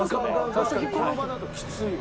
確かにこの場だときついわ。